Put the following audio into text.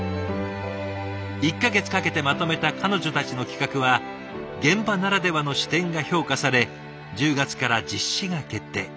１か月かけてまとめた彼女たちの企画は現場ならではの視点が評価され１０月から実施が決定。